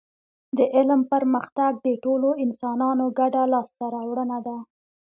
د علم پرمختګ د ټولو انسانانو ګډه لاسته راوړنه ده